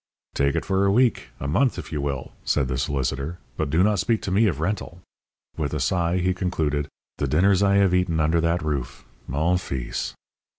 "Take it for a week a month, if you will," said the solicitor; "but do not speak to me of rental." With a sigh he concluded: "The dinners I have eaten under that roof, mon fils!"